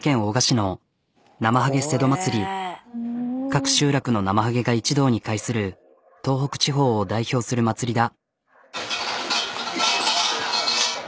各集落のなまはげが一堂に会する東北地方を代表する祭りだ。